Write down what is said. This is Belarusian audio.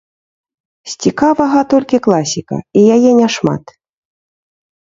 З цікавага толькі класіка, і яе няшмат.